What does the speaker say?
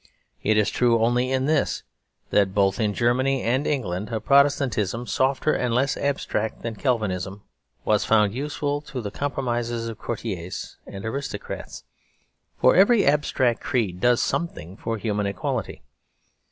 It is true only in this, that both in Germany and England a Protestantism softer and less abstract than Calvinism was found useful to the compromises of courtiers and aristocrats; for every abstract creed does something for human equality.